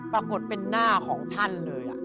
ปรากฏเป็นหน้าของท่านเลย